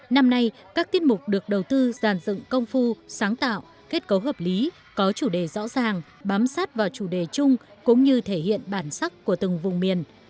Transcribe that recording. năm nay các tiết mục được đầu tư giàn dựng công phu sáng tạo kết cấu hợp lý có chủ đề rõ ràng bám sát vào chủ đề chung cũng như thể hiện bản sắc của từng vùng miền